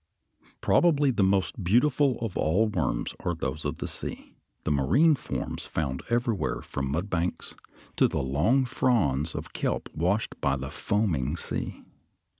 ] Probably the most beautiful of all worms are those of the sea, the marine forms found everywhere from the mud banks to the long fronds of kelp washed by the foaming sea.